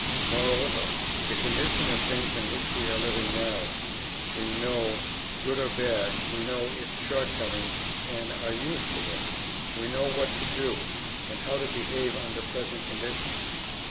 Moreover, the condition of things in which we are living now, we know, good or bad; we know its shortcomings and are used to it, we know what to do, and how to behave under present conditions.